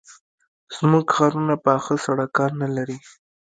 زموږ ښارونه پاخه سړکان نه لري.